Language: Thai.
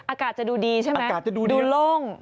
อากาศจะดูดีใช่ไหมดูโล่ง